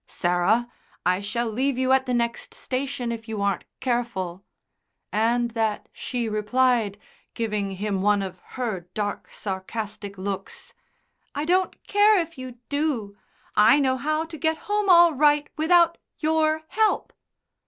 Sarah, I shall leave you at the next station if you aren't careful," and that she replied, giving him one of her dark sarcastic looks, "I don't care if you do. I know how to get home all right without your help."